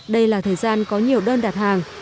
đây là thời gian có nhiều đơn đạt hàng